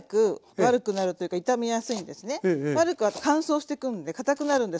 悪くは乾燥してくるんでかたくなるんです。